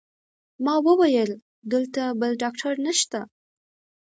ما وویل: دلته بل ډاکټر نشته؟